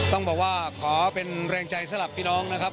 ต้องบอกว่าขอเป็นแรงใจสำหรับพี่น้องนะครับ